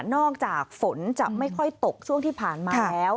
อกจากฝนจะไม่ค่อยตกช่วงที่ผ่านมาแล้ว